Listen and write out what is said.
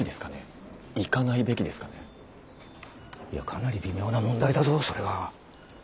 いやかなり微妙な問題だぞそれは。